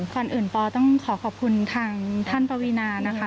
ก่อนอื่นปอต้องขอขอบคุณทางท่านปวีนานะคะ